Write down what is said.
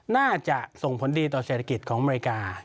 น่าจะส่งผลดีต่อเศรษฐกิจของอเมริกา